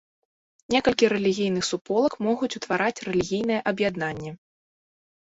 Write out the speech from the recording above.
Некалькі рэлігійных суполак могуць утвараць рэлігійнае аб'яднанне.